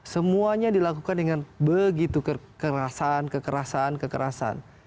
semuanya dilakukan dengan begitu kekerasan kekerasan